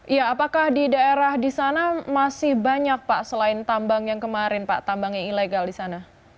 ya apakah di daerah di sana masih banyak pak selain tambang yang kemarin pak tambang yang ilegal di sana